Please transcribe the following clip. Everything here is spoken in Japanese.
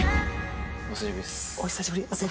お久しぶりです。